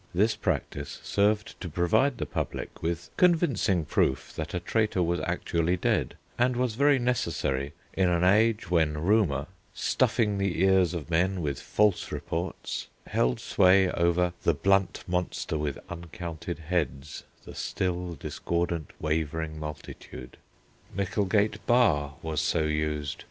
This practice served to provide the public with convincing proof that a traitor was actually dead, and was very necessary in an age when Rumour, "stuffing the ears of men with false reports" held sway over "the blunt monster with uncounted heads, the still discordant wavering multitude." Micklegate Bar was so used.